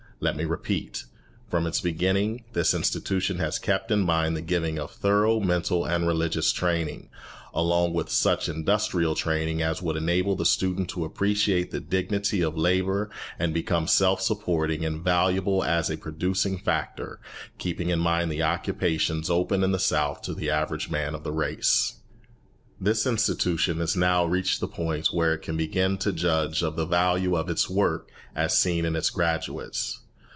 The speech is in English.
Let me repeat, from its beginning, this institution has kept in mind the giving of thorough mental and religious training, along with such industrial training as would enable the student to appreciate the dignity of labour and become self supporting and valuable as a producing factor, keeping in mind the occupations open in the South to the average man of the race. This institution has now reached the point where it can begin to judge of the value of its work as seen in its graduates.